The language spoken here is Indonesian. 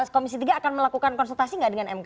komisi tiga akan melakukan konsultasi nggak dengan mk